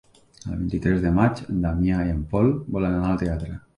El vint-i-tres de maig en Damià i en Pol volen anar al teatre.